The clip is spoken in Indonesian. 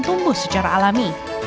tumbuh secara alami